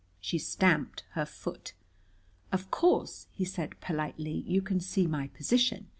She stamped her foot. "Of course," he said politely, "you can see my position.